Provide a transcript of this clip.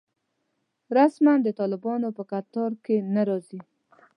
رسماً د طالبانو په کتار کې نه راځي.